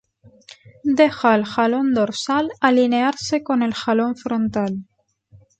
Deja al jalón dorsal alinearse con el jalón frontal.